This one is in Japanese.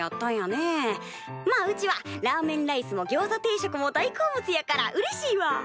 まあうちはラーメンライスもギョウザ定食も大好物やからうれしいわ。